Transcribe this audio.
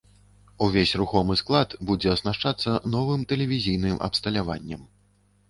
Увесь рухомы склад будзе аснашчацца новым тэлевізійным абсталяваннем.